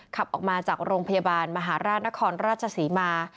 ขับออกมาจากโรงพยาบาลมหาราชนครราชศรีมา